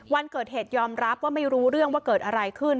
วันเกิดเหตุยอมรับว่าไม่รู้เรื่องว่าเกิดอะไรขึ้น